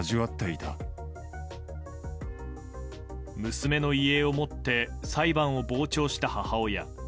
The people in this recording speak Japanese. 娘の遺影を持って裁判を傍聴した母親。